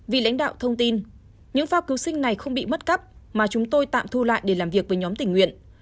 vì lãnh đạo thông tin những phao cứu sinh này không bị mất cắp mà chúng tôi tạm thu lại để làm việc với nhóm tình nguyện